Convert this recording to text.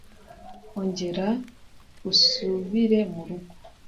Ongera usubire murugo